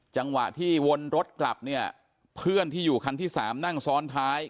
จังหวะที่วนรถกลับเนี่ยเพื่อนที่อยู่คันที่สามนั่งซ้อนท้าย